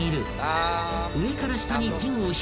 ［「上から下に」］